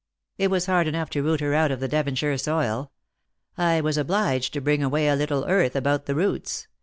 It was hard enough to root her out of the Devonshire soil. I was obliged to bring away a little earth about the roots.